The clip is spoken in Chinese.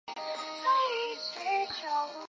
只计算联赛赛事。